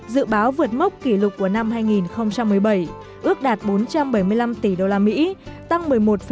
dự báo vượt mốc kỷ lục của năm hai nghìn một mươi bảy ước đạt bốn trăm bảy mươi năm tỷ usd tăng một mươi một sáu